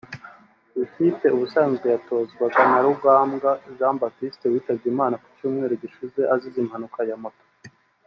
Iyi kipe ubusanzwe yatozwaga na Rugambwa Jean Baptiste witabye Imana ku cyumweru gishize azize impanuka ya moto